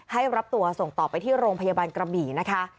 รับตัวส่งต่อไปที่โรงพยาบาลกระบี่นะคะ